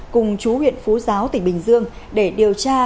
cùng chú huyện phú giáo tỉnh bình dương để điều tra